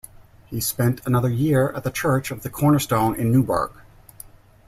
He spent another year at the Church of the Cornerstone in Newburgh.